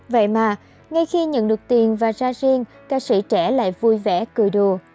vậy mà ngay khi nhận được tiền và ra riêng ca sĩ trẻ lại vui vẻ cười đồ